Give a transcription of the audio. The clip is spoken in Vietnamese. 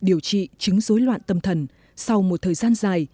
điều trị chứng dối loạn tâm thần sau một thời gian dài